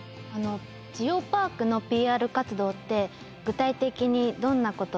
ジオパークのＰＲ活動って具体的にどんなことをしてるんですか？